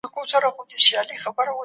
هیوادونه په ارزښت پوهیږي.